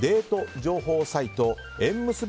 情報サイト縁結び